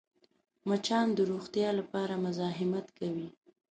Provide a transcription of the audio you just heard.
مچان د روغتیا لپاره مزاحمت کوي